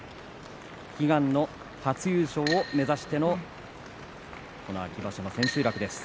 悲願の初優勝を目指してのこの秋場所の千秋楽です。